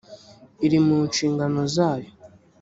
iri mu nshingano zayo